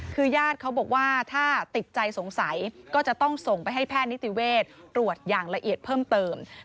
คือญาติเขาบอกว่าถ้าติดใจสงสัยก็จะต้องส่งไปให้แพทย์นิติเวศตรวจอย่างละเอียดเพิ่มเติม